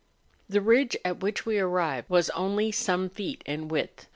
The ridge at which we had arrived was only some feet in width.